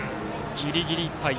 ギリギリいっぱい。